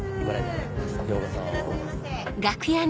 ようこそ。